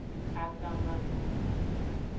Agamazonli.